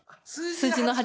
数字の８。